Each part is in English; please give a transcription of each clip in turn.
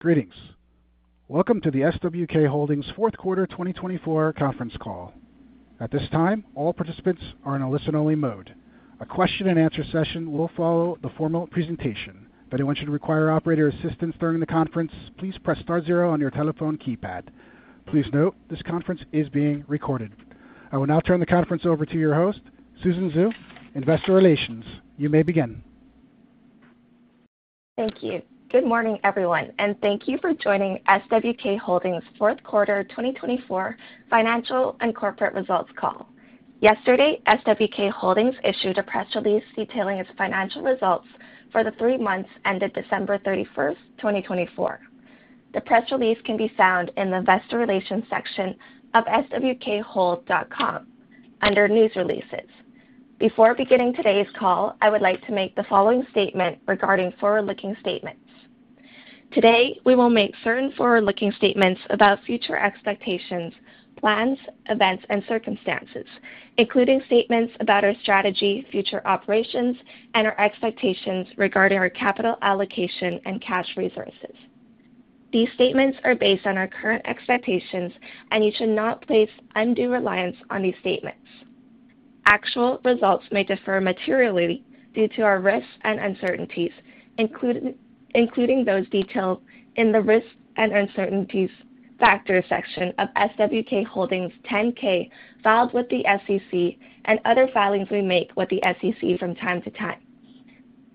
Greetings. Welcome to the SWK Holdings Fourth Quarter 2024 conference call. At this time, all participants are in a listen-only mode. A question-and-answer session will follow the formal presentation. If anyone should require operator assistance during the conference, please press star zero on your telephone keypad. Please note, this conference is being recorded. I will now turn the conference over to your host, Susan Xu, Investor Relations. You may begin. Thank you. Good morning, everyone, and thank you for joining SWK Holdings Fourth Quarter 2024 financial and corporate results call. Yesterday, SWK Holdings issued a press release detailing its financial results for the three months ended December 31, 2024. The press release can be found in the Investor Relations section of swkhold.com under News Releases. Before beginning today's call, I would like to make the following statement regarding forward-looking statements. Today, we will make certain forward-looking statements about future expectations, plans, events, and circumstances, including statements about our strategy, future operations, and our expectations regarding our capital allocation and cash resources. These statements are based on our current expectations, and you should not place undue reliance on these statements. Actual results may differ materially due to our risks and uncertainties, including those detailed in the risks and uncertainties factor section of SWK Holdings 10-K filed with the SEC and other filings we make with the SEC from time to time.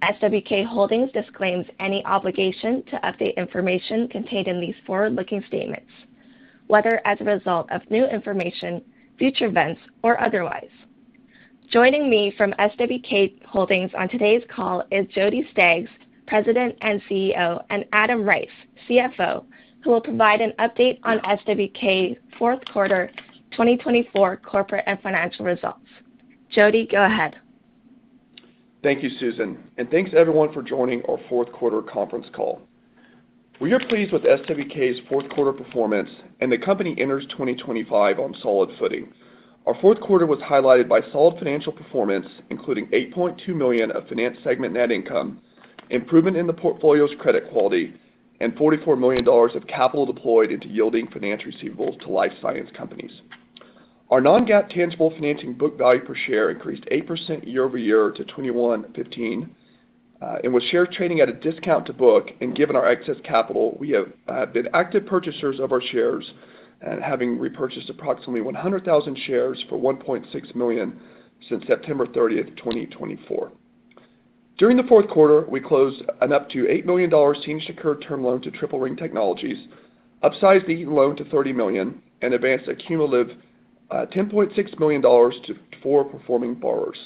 SWK Holdings disclaims any obligation to update information contained in these forward-looking statements, whether as a result of new information, future events, or otherwise. Joining me from SWK Holdings on today's call is Jody Staggs, President and CEO, and Adam Rice, CFO, who will provide an update on SWK's Fourth Quarter 2024 corporate and financial results. Jody, go ahead. Thank you, Susan, and thanks to everyone for joining our Fourth Quarter conference call. We are pleased with SWK's Fourth Quarter performance, and the company enters 2025 on solid footing. Our Fourth Quarter was highlighted by solid financial performance, including $8.2 million of finance segment net income, improvement in the portfolio's credit quality, and $44 million of capital deployed into yielding finance receivables to life science companies. Our Non-GAAP tangible financing book value per share increased 8% year-over-year to $21.15, and with shares trading at a discount to book and given our excess capital, we have been active purchasers of our shares, having repurchased approximately 100,000 shares for $1.6 million since September 30, 2024. During the fourth quarter, we closed an up to $8 million senior secured term loan to Triple Ring Technologies, upsized the loan to $30 million, and advanced a cumulative $10.6 million to four performing borrowers.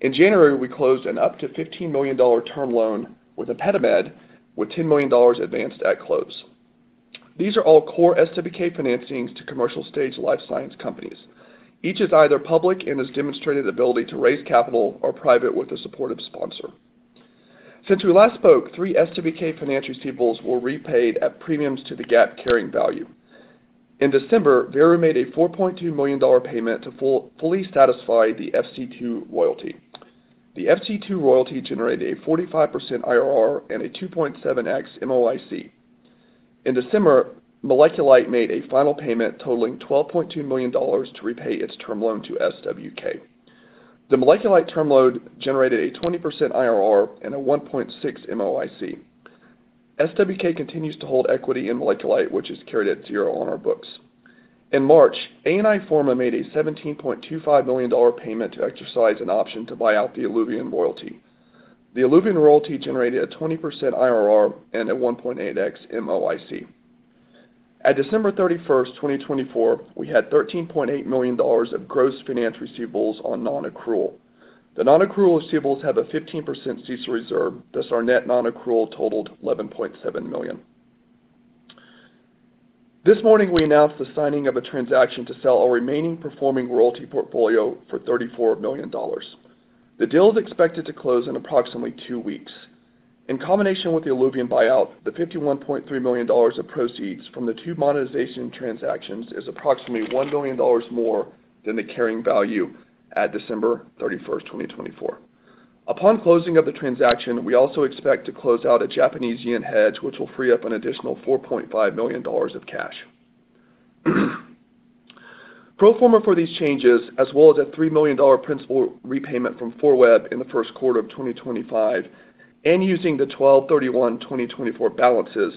In January, we closed an up to $15 million term loan with PetiMed, with $10 million advanced at close. These are all core SWK financings to commercial stage life science companies. Each is either public and has demonstrated the ability to raise capital or private with the support of a sponsor. Since we last spoke, three SWK finance receivables were repaid at premiums to the GAAP carrying value. In December, Veru made a $4.2 million payment to fully satisfy the FC2 royalty. The FC2 royalty generated a 45% IRR and a 2.7x MOIC. In December, MolecuLight made a final payment totaling $12.2 million to repay its term loan to SWK. The MolecuLight term loan generated a 20% IRR and a 1.6 MOIC. SWK continues to hold equity in MolecuLight, which is carried at zero on our books. In March, ANI Pharma made a $17.25 million payment to exercise an option to buy out the Iluvien royalty. The Iluvien royalty generated a 20% IRR and a 1.8x MOIC. At December 31, 2024, we had $13.8 million of gross finance receivables on non-accrual. The non-accrual receivables have a 15% cease reserve. Thus, our net non-accrual totaled $11.7 million. This morning, we announced the signing of a transaction to sell our remaining performing royalty portfolio for $34 million. The deal is expected to close in approximately two weeks. In combination with the Iluvien buyout, the $51.3 million of proceeds from the two monetization transactions is approximately $1 million more than the carrying value at December 31, 2024. Upon closing of the transaction, we also expect to close out a Japanese yen hedge, which will free up an additional $4.5 million of cash. Proforma for these changes, as well as a $3 million principal repayment from 4WEB in the first quarter of 2025, and using the December 31, 2024 balances,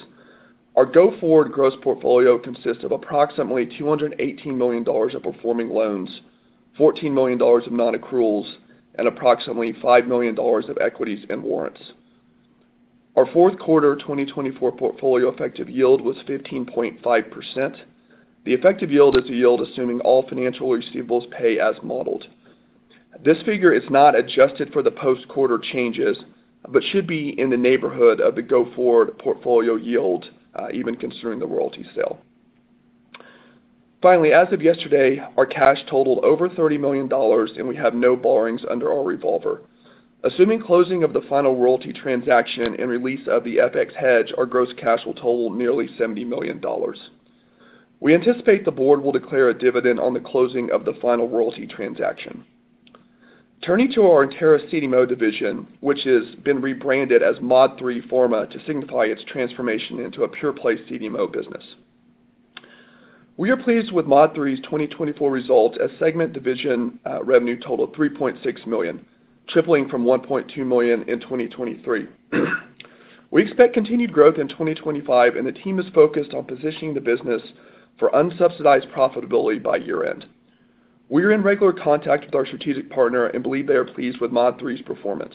our go-forward gross portfolio consists of approximately $218 million of performing loans, $14 million of non-accruals, and approximately $5 million of equities and warrants. Our fourth quarter 2024 portfolio effective yield was 15.5%. The effective yield is the yield assuming all finance receivables pay as modeled. This figure is not adjusted for the post-quarter changes, but should be in the neighborhood of the go-forward portfolio yield, even considering the royalty sale. Finally, as of yesterday, our cash totaled over $30 million, and we have no borrowings under our revolver. Assuming closing of the final royalty transaction and release of the FX hedge, our gross cash will total nearly $70 million. We anticipate the board will declare a dividend on the closing of the final royalty transaction. Turning to our Enteris CDMO division, which has been rebranded as Mod3 Pharma to signify its transformation into a pure-play CDMO business. We are pleased with Mod 3's 2024 result as segment division revenue totaled $3.6 million, tripling from $1.2 million in 2023. We expect continued growth in 2025, and the team is focused on positioning the business for unsubsidized profitability by year-end. We are in regular contact with our strategic partner and believe they are pleased with Mod 3's performance.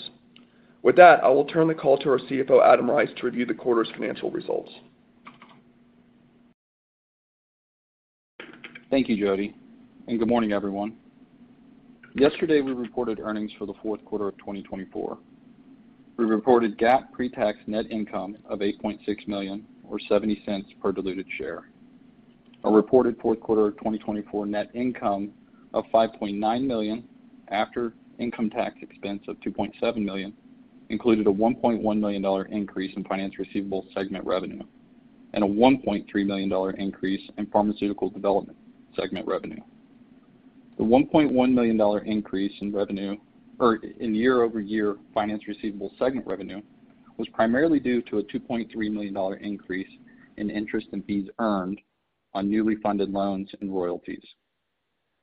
With that, I will turn the call to our CFO, Adam Rice, to review the quarter's financial results. Thank you, Jody. Good morning, everyone. Yesterday, we reported earnings for the fourth quarter of 2024. We reported GAAP pre-tax net income of $8.6 million, or $0.70 per diluted share. Our reported fourth quarter 2024 net income of $5.9 million, after income tax expense of $2.7 million, included a $1.1 million increase in finance receivable segment revenue and a $1.3 million increase in pharmaceutical development segment revenue. The $1.1 million increase in year-over-year finance receivable segment revenue was primarily due to a $2.3 million increase in interest and fees earned on newly funded loans and royalties.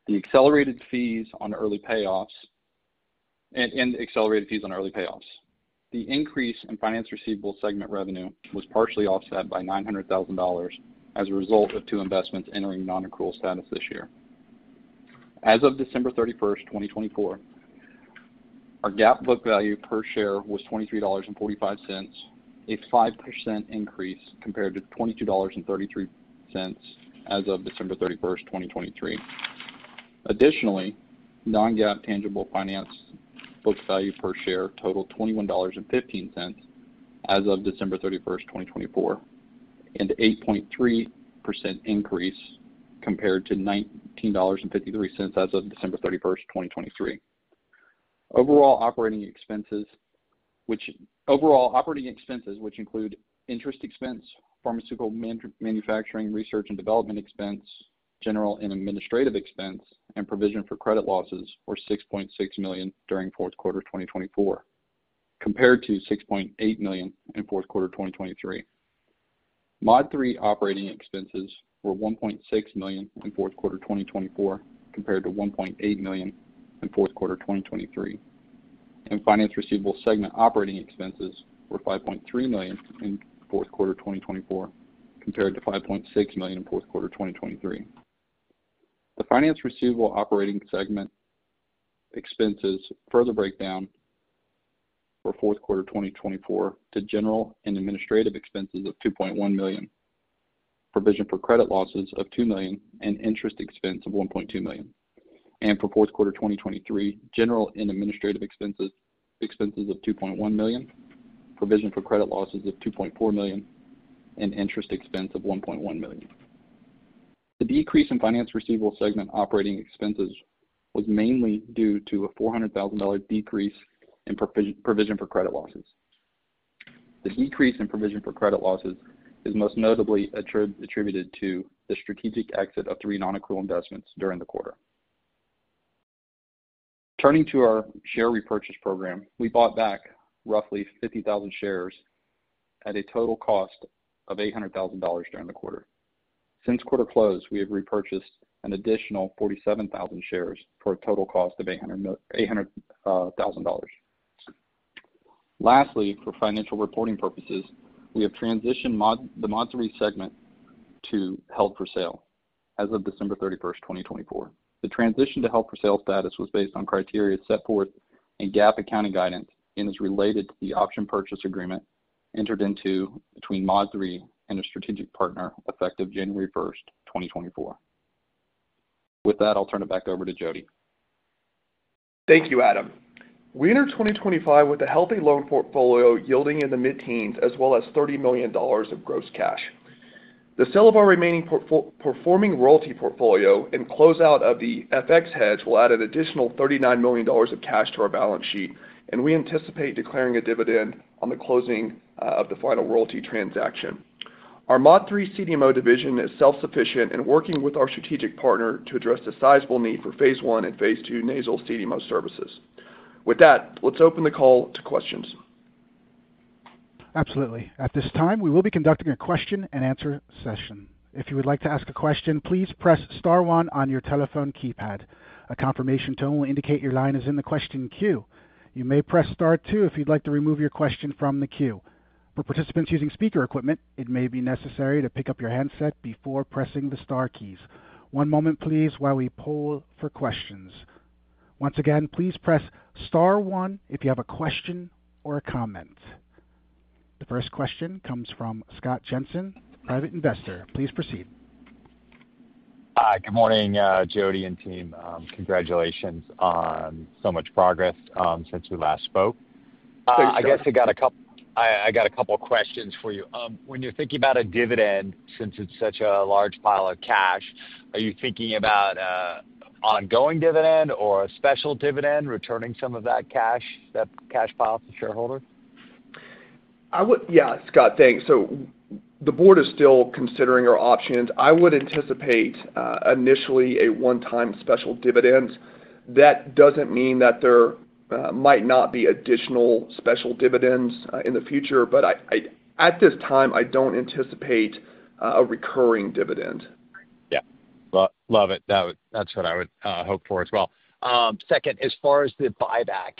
The accelerated fees on early payoffs and the increase in finance receivable segment revenue was partially offset by $900,000 as a result of two investments entering non-accrual status this year. As of December 31, 2024, our GAAP book value per share was $23.45, a 5% increase compared to $22.33 as of December 31, 2023. Additionally, non-GAAP tangible finance book value per share totaled $21.15 as of December 31, 2024, an 8.3% increase compared to $19.53 as of December 31, 2023. Overall operating expenses, which include interest expense, pharmaceutical manufacturing, research and development expense, general and administrative expense, and provision for credit losses, were $6.6 million during fourth quarter 2024, compared to $6.8 million in fourth quarter 2023. Mod 3 operating expenses were $1.6 million in fourth quarter 2024, compared to $1.8 million in fourth quarter 2023. Finance receivable segment operating expenses were $5.3 million in fourth quarter 2024, compared to $5.6 million in fourth quarter 2023. The finance receivable operating segment expenses further breakdown for fourth quarter 2024 to general and administrative expenses of $2.1 million, provision for credit losses of $2 million, and interest expense of $1.2 million. For fourth quarter 2023, general and administrative expenses of $2.1 million, provision for credit losses of $2.4 million, and interest expense of $1.1 million. The decrease in finance receivable segment operating expenses was mainly due to a $400,000 decrease in provision for credit losses. The decrease in provision for credit losses is most notably attributed to the strategic exit of three non-accrual investments during the quarter. Turning to our share repurchase program, we bought back roughly 50,000 shares at a total cost of $800,000 during the quarter. Since quarter close, we have repurchased an additional 47,000 shares for a total cost of $800,000. Lastly, for financial reporting purposes, we have transitioned the Mod 3 segment to held for sale as of December 31, 2024. The transition to held for sale status was based on criteria set forth in GAAP accounting guidance and is related to the option purchase agreement entered into between Mod 3 and a strategic partner effective January 1, 2024. With that, I'll turn it back over to Jody. Thank you, Adam. We enter 2025 with a healthy loan portfolio yielding in the mid-teens, as well as $30 million of gross cash. The sale of our remaining performing royalty portfolio and closeout of the FX hedge will add an additional $39 million of cash to our balance sheet, and we anticipate declaring a dividend on the closing of the final royalty transaction. Our Mod 3 CDMO division is self-sufficient and working with our strategic partner to address the sizable need for phase I and phase II nasal CDMO services. With that, let's open the call to questions. Absolutely. At this time, we will be conducting a question-and-answer session. If you would like to ask a question, please press Star one on your telephone keypad. A confirmation tone will indicate your line is in the question queue. You may press Star two if you'd like to remove your question from the queue. For participants using speaker equipment, it may be necessary to pick up your handset before pressing the Star keys. One moment, please, while we poll for questions. Once again, please press Star one if you have a question or a comment. The first question comes from Scott Jensen, Private Investor. Please proceed. Hi, good morning, Jody and team. Congratulations on so much progress since we last spoke. I guess I got a couple of questions for you. When you're thinking about a dividend, since it's such a large pile of cash, are you thinking about an ongoing dividend or a special dividend, returning some of that cash, that cash pile to shareholders? Yeah, Scott, thanks. The board is still considering our options. I would anticipate initially a one-time special dividend. That does not mean that there might not be additional special dividends in the future, but at this time, I do not anticipate a recurring dividend. Yeah, love it. That's what I would hope for as well. Second, as far as the buyback,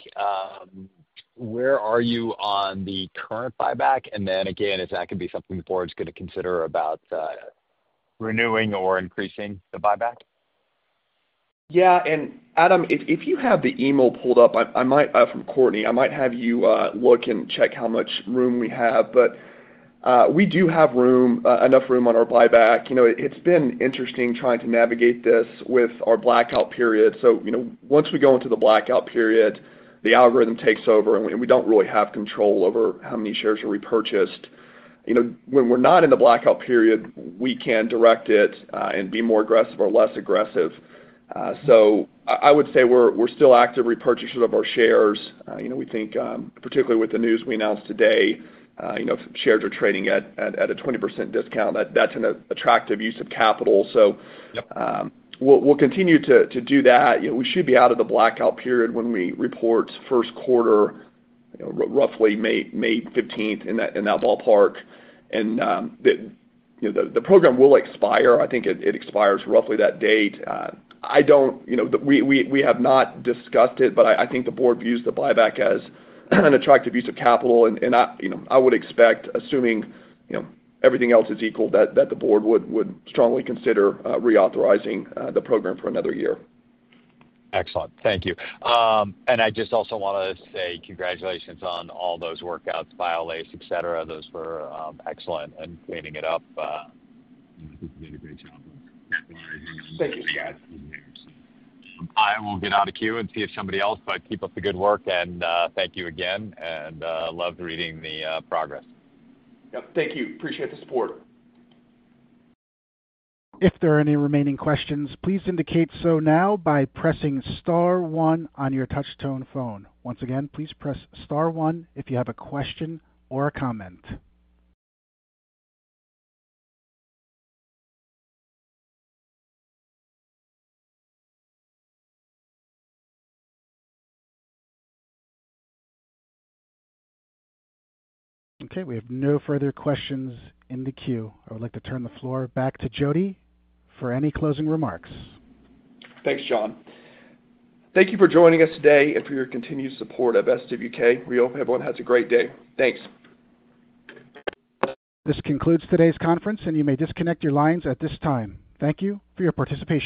where are you on the current buyback? Is that going to be something the board's going to consider about renewing or increasing the buyback? Yeah. And Adam, if you have the email pulled up from Courtney, I might have you look and check how much room we have, but we do have enough room on our buyback. It's been interesting trying to navigate this with our blackout period. Once we go into the blackout period, the algorithm takes over, and we do not really have control over how many shares are repurchased. When we are not in the blackout period, we can direct it and be more aggressive or less aggressive. I would say we are still active repurchasers of our shares. We think, particularly with the news we announced today, shares are trading at a 20% discount. That is an attractive use of capital. We will continue to do that. We should be out of the blackout period when we report First Quarter, roughly May 15th, in that ballpark. The program will expire. I think it expires roughly that date. We have not discussed it, but I think the board views the buyback as an attractive use of capital. I would expect, assuming everything else is equal, that the board would strongly consider reauthorizing the program for another year. Excellent. Thank you. I just also want to say congratulations on all those workouts, Biolase, etc. Those were excellent and cleaning it up. I will get out of the queue and see if somebody else, but keep up the good work. Thank you again. I loved reading the progress. Yep. Thank you. Appreciate the support. If there are any remaining questions, please indicate so now by pressing Star one on your touchstone phone. Once again, please press Star one if you have a question or a comment. Okay. We have no further questions in the queue. I would like to turn the floor back to Jody for any closing remarks. Thanks, John. Thank you for joining us today and for your continued support of SWK. We hope everyone has a great day. Thanks. This concludes today's conference, and you may disconnect your lines at this time. Thank you for your participation.